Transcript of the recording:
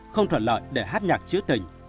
không thuận lợi để hát nhạc chữ tình